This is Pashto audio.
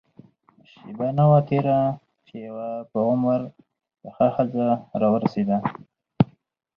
شېبه نه وه تېره چې يوه په عمر پخه ښځه راورسېده.